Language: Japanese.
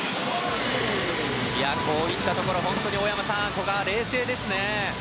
こういったところ、大山さん古賀、冷静ですね。